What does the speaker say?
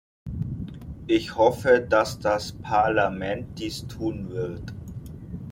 Ich hoffe, dass das Parlament dies tun wird.